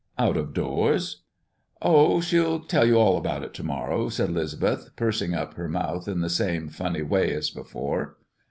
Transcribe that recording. "Out of doors?" "Oh, she'll tell you all about it to morrow," said 'Lisbeth, pursing up her mouth in the same funny way as before.